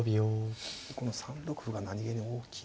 この３六歩が何気に大きいですね。